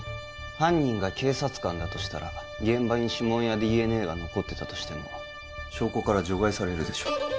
犯人が警察官だとしたら現場に指紋やＤＮＡが残ってたとしても証拠から除外されるでしょ